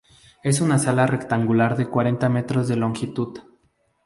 Es una sala rectangular de cuarenta metros de longitud.